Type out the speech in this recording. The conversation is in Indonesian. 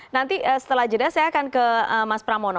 nanti setelah jeda saya akan ke mas pramono